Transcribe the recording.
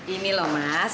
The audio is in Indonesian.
ini loh mas